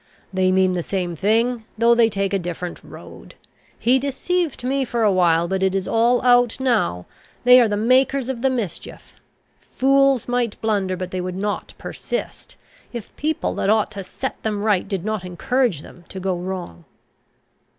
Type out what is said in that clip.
They mean the same thing, though they take a different road. He deceived me for a while, but it is all out now. They are the makers of the mischief. Fools might blunder, but they would not persist, if people that ought to set them right did not encourage them to go wrong."